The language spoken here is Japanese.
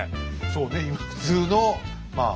そうね普通のまあ。